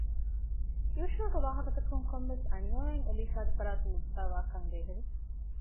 ޔޫޝައުގެ ވާހަކަތަކުން ކޮންމެވެސް އަނިޔާއެއް އެލީޝާގެފަރާތުން ލިބިފައިވާކަށް ދޭހަވި